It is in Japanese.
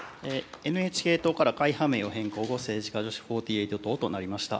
ＮＨＫ党から会派名を変更後、政治家女子４８党となりました。